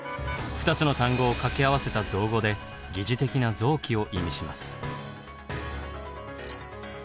２つの単語を掛け合わせた造語で疑似的な臓器を意味します。